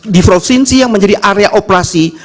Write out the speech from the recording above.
di provinsi yang menjadi area operasi